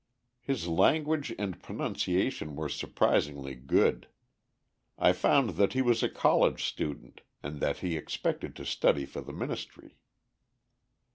His language and pronunciation were surprisingly good. I found that he was a college student, and that he expected to study for the ministry.